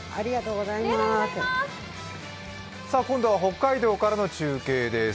今度は北海道からの中継です。